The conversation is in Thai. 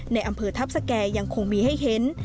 ในอำเภอทัพสแก่ยังคงมีให้เห็น